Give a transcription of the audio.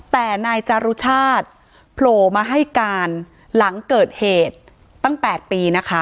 แต่นายจารุชาติโผล่มาให้การหลังเกิดเหตุตั้ง๘ปีนะคะ